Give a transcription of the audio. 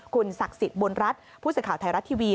คุณศักดิ์สิทธิ์บุญรัฐผู้สื่อข่าวไทยรัฐทีวี